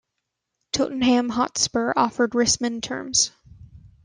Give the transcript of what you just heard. Tottenham Hotspur offered Risman terms.